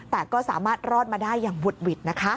แต่ก็สามารถรอดมาได้อย่างบุดหวิดนะคะ